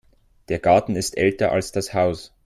Der Garten ist älter als das Haus.